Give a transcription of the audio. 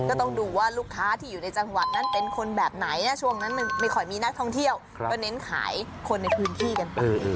ก็ต้องดูว่าลูกค้าที่อยู่ในจังหวัดนั้นเป็นคนแบบไหนนะช่วงนั้นมันไม่ค่อยมีนักท่องเที่ยวก็เน้นขายคนในพื้นที่กันไป